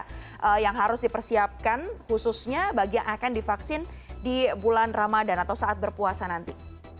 apa yang harus dipersiapkan khususnya bagi yang akan divaksin di bulan ramadan atau saat berpuasa nanti